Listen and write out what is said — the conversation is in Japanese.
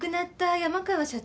山川社長